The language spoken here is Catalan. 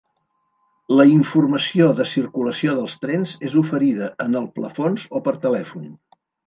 La informació de circulació dels trens es oferida en el plafons o per telèfon.